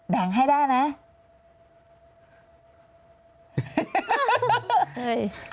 แบ่งให้ได้ไหม